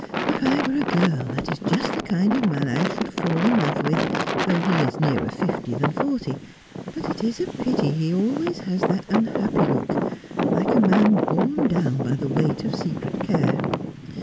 ' If I were a girl, that is just the kind of man I should fall in love with, though ! he is nearer fifty than forty. But it is a pity he always has that unhappy look, like a man borne clown by the weight of secret care.